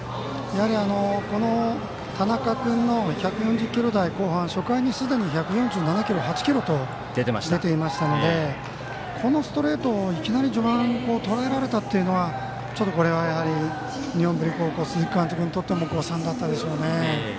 この田中君の１４０キロ台後半初回に１４７キロ、１４８キロと出ていましたのでこのストレートをいきなり序盤にとらえられたというのはちょっとこれは日本文理高校鈴木監督にとっても誤算だったでしょうね。